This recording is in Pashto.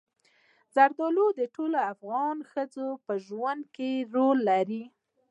زردالو د ټولو افغان ښځو په ژوند کې رول لري.